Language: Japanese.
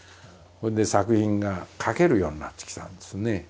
それで作品が書けるようになってきたんですね。